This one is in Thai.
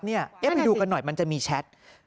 ไปดูกันหน่อยมันจะมีแชท